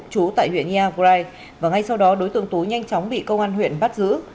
chú tại huyện iagrai và ngay sau đó đối tượng tú nhanh chóng bị công an huyện bắt giữ